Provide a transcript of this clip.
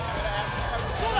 どうだ？